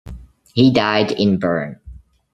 He died in Bern.